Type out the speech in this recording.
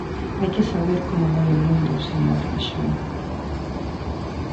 Hai que saber como vai o mundo, señor Raxó.